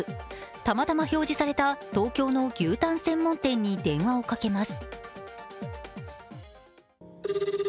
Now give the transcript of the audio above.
たまたま表示された東京の牛たん専門店に電話をかけます。